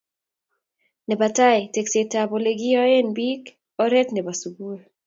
nebo tai, teksetab oleginyoen biik, oret nebo sugul